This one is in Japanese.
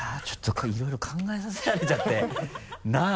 こういろいろ考えさせられちゃって。なぁ？